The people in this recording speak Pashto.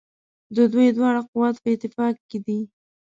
د دوی دواړو قوت په اتفاق کې دی.